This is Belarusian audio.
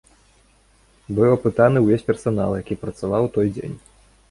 Быў апытаны ўвесь персанал, які працаваў у той дзень.